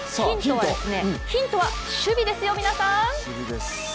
ヒントは、守備ですよ、皆さん。